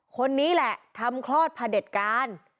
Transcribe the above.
คนนี้แหละทำคลอดผลิตการ